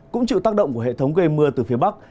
cũng chịu tác động của hệ thống gây mưa từ phía bắc